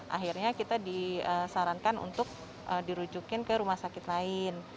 akhirnya kita disarankan untuk dirujukin ke rumah sakit lain